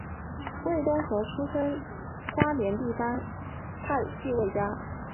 魏东河出身花莲地方派系魏家。